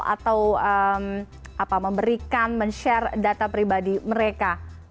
atau memberikan men share data pribadi mereka